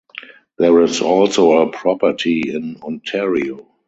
There is also a property in Ontario.